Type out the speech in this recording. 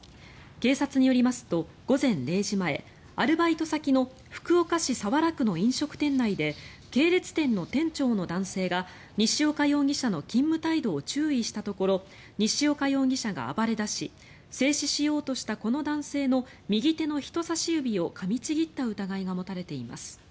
警察によりますと、午前０時前アルバイト先の福岡市早良区の飲食店内で系列店の店長の男性が西岡容疑者の勤務態度を注意したところ西岡容疑者が暴れ出し制止しようとしたこの男性の右手の人さし指をかみちぎった疑いが持たれています。